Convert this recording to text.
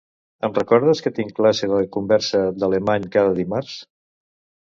Em recordes que tinc classes de conversa d'alemany cada dimarts?